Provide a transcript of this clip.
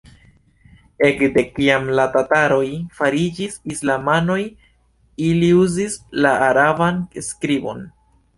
Ekde kiam la tataroj fariĝis islamanoj ili uzis la araban skribon.